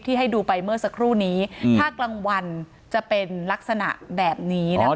ให้ดูไปเมื่อสักครู่นี้ถ้ากลางวันจะเป็นลักษณะแบบนี้นะคะ